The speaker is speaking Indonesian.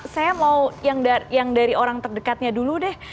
saya mau yang dari orang terdekatnya dulu deh